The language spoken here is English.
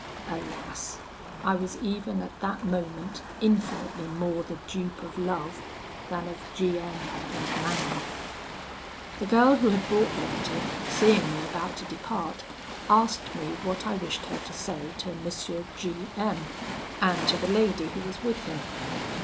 Alas! I was even at that moment infinitely more the dupe of love, than of G M and Manon. "The girl who had brought the letter, seeing me about to depart, asked me what I wished her to say to M. G M , and to the lady who was with him?